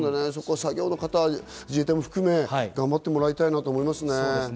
作業の方、自衛隊の方も含め頑張ってもらいたいなと思いますね。